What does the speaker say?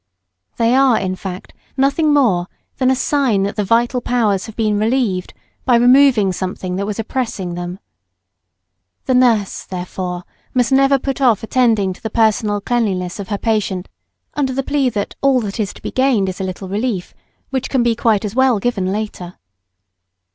They are, in fact, nothing more than a sign that the vital powers have been relieved by removing something that was oppressing them. The nurse, therefore, must never put off attending to the personal cleanliness of her patient under the plea that all that is to be gained is a little relief, which can be quite as well given later.